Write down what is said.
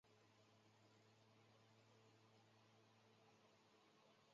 转世传承是外界对转世修行者认可的一个政治化制度。